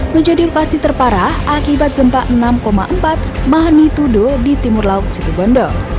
menjadi lokasi terparah akibat gempa enam empat magnitudo di timur laut situbondo